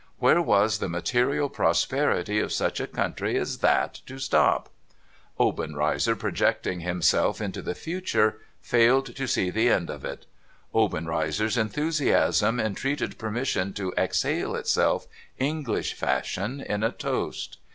Where was the material prosperity of such a country as that to stop ? Obenreizer, projecting himself into the future, failed to see the end of it. Obenreizer's enthusiasm entreated permission to exhale itself, English fashion, in a toast.